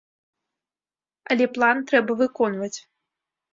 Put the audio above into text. Але план трэба выконваць.